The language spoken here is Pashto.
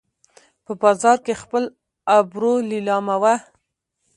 په بازار کې خپل ابرو لیلامومه